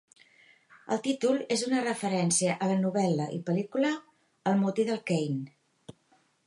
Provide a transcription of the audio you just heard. El títol és una referència a la novel·la i pel·lícula "El motí del Caine".